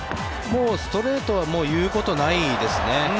ストレートは言うことないですね。